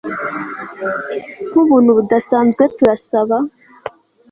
Nkubuntu budasanzwe turasaba